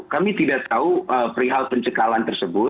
kami tidak tahu perihal pencekalan tersebut